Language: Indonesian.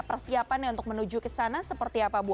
persiapannya untuk menuju ke sana seperti apa bu